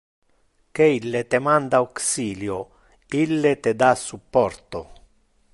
Que ille te manda auxilio, ille te da supporto!